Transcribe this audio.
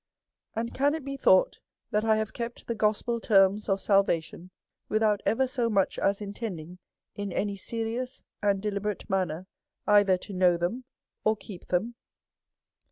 " And can it be thought that I have kept the gos pel terms of salvation, without ever so much as intend ing, in any serious and deliberate manner, either to know them or keep them?